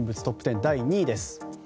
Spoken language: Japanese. トップ１０第２位です。